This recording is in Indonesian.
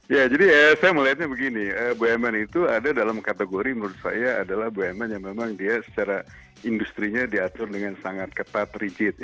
ya jadi saya melihatnya begini bumn itu ada dalam kategori menurut saya adalah bumn yang memang dia secara industri nya diatur dengan sangat ketat rigid